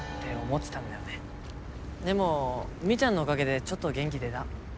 でもみーちゃんのおかげでちょっと元気出だ。